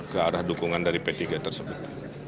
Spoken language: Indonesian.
ke arah dukungan dari p tiga tersebut